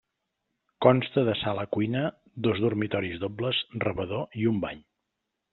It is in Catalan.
Consta de sala-cuina, dos dormitoris dobles, rebedor i un bany.